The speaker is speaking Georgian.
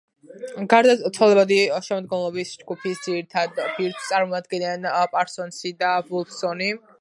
გარდა ცვალებადი შემადგენლობის, ჯგუფის ძირითად ბირთვს წარმოადგენდნენ პარსონსი და ვულფსონი.